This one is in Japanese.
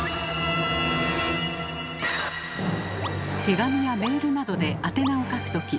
手紙やメールなどで宛名を書くとき